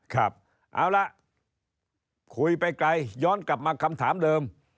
ครับเอาละคุยไปไกลย้อนกลับมาคำถามเดิม